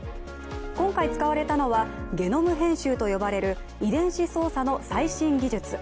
今回使われたのは、ゲノム編集と呼ばれる遺伝子操作の最新技術。